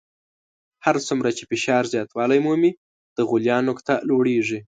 هر څومره چې فشار زیاتوالی مومي د غلیان نقطه لوړیږي.